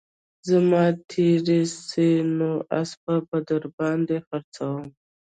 زمى تېر سي نو اسپه به در باندې خرڅوم